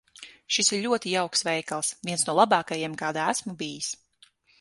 Šis ir ļoti jauks veikals. Viens no labākajiem, kādā esmu bijis.